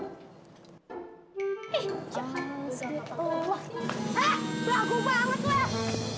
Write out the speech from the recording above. ih jahat siapa pak